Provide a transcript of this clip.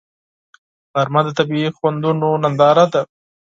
غرمه د طبیعي خوندونو ننداره ده